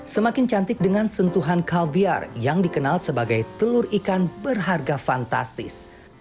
semakin cantik dengan sentuhan kaviar yang dikenal sebagai telur ikan berharga fantastis